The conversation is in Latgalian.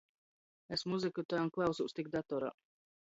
Es muzyku tān klausūs tik datorā.